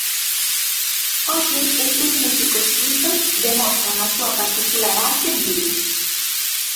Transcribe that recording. Hoxe estes músicos suízos demostran a súa particular arte en Vigo.